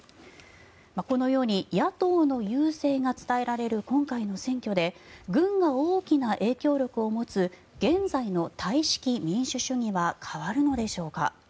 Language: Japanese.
このように野党の優勢が伝えられる今回の選挙で軍が大きな影響力を持つ現在のタイ式民主主義は変わるのでしょうか。